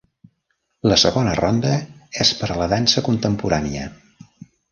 La segona ronda és per a la dansa contemporània.